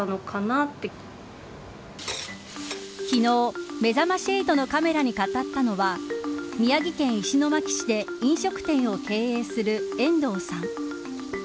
昨日、めざまし８のカメラに語ったのは宮城県石巻市で飲食店を経営する遠藤さん。